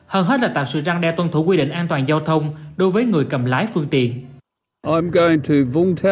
hơn hết là tạo sự răng đe tuân thủ quy định an toàn giao thông đối với người cầm lái phương tiện